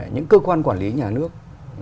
những cơ quan quản lý nhà nước